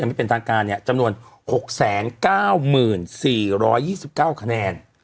ยังไม่เป็นทางการเนี้ยจำนวนหกแสนเก้าหมื่นสี่ร้อยยี่สิบเก้าคะแนน